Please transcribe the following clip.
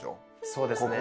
そうですね。